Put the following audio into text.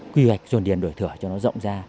quy hoạch dồn điền đổi thửa cho nó rộng ra